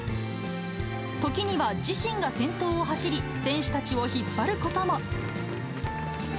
トキニハ自身が先頭を走り、選手たちを引っ張ることも。